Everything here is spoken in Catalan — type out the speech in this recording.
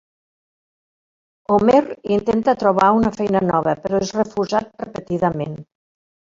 Homer intenta trobar una feina nova, però és refusat repetidament.